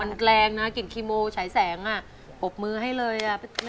มันแรงนะกลิ่นคีโมใช้แสงอบมือให้เลย